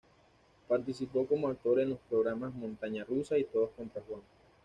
Participó como actor en los programas "Montaña rusa" y "Todos contra Juan".